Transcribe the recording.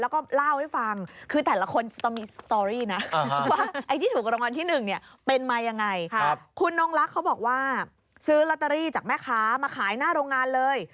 คุณนงลักษณ์เขาบอกว่าซื้อลอตเตอรี่จากแม่ค้ามาขายหน้าโรงงานเลย